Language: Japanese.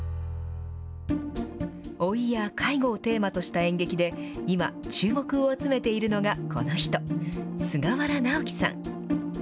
老いや介護をテーマとした演劇で、今、注目を集めているのがこの人、菅原直樹さん。